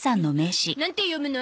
なんて読むの？